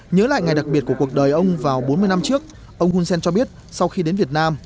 nhớ lại ngày đặc biệt của cuộc đời ông vào bốn mươi năm trước ông hun sen cho biết sau khi đến việt nam